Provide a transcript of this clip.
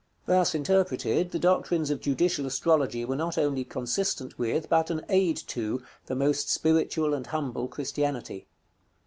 Thus interpreted, the doctrines of judicial astrology were not only consistent with, but an aid to, the most spiritual and humble Christianity.